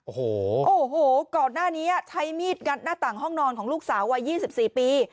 โอ้โหโอ้โหก่อนหน้านี้ใช้มีดงัดหน้าต่างห้องนอนของลูกสาววัย๒๔ปี